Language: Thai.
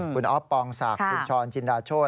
คุณอ๊อฟปองศักดิ์คุณชรจินดาโชธ